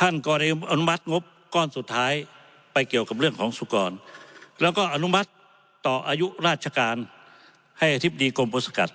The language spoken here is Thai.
ท่านก็ได้อนุมัติงบก้อนสุดท้ายไปเกี่ยวกับเรื่องของสุกรแล้วก็อนุมัติต่ออายุราชการให้อธิบดีกรมบุษกัด